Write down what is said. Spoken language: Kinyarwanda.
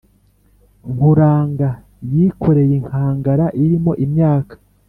nkuranga yikoreye inkangara irimo imyaka